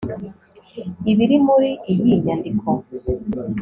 ibiri muri iyi nyandiko